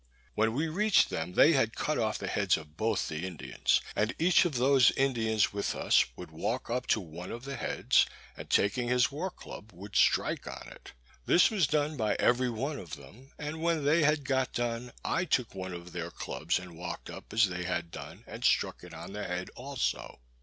When we reached them, they had cut off the heads of both the Indians; and each of those Indians with us would walk up to one of the heads, and taking his war club would strike on it. This was done by every one of them; and when they had got done, I took one of their clubs, and walked up as they had done, and struck it on the head also.